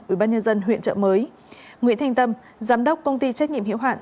ubnd huyện chợ mới nguyễn thành tâm giám đốc công ty trách nhiệm hiểu hạn